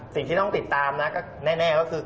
สิ่งที่ต้องติดตามนะก็แน่ก็คือ